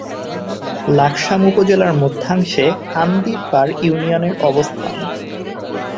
লাকসাম উপজেলার মধ্যাংশে কান্দিরপাড় ইউনিয়নের অবস্থান।